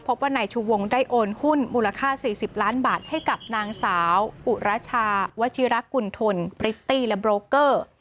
พบว่าก็ได้โอนหุ้นมูลค่า๔๐ล้านบาทให้กับหนางสาวอุรจาวชิรักกุณฑรปริกตี้และโบโกรเกอร์